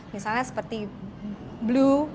misalnya seperti blue